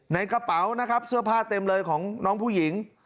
ในกระเป๋านะครับเสื้อผ้าเต็มเลยของน้องผู้หญิง